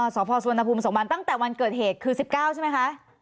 สพสุวรรณภูมิ๒วันตั้งแต่วันเกิดเหตุคือ๑๙ใช่ไหมคะ